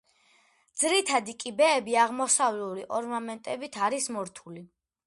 ძირითადი კიბეები აღმოსავლური ორნამენტებით არის მორთული.